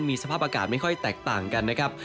มีสภาพอากาศไม่ค่อยแตกต่างกันนะครับ